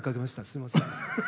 すいません。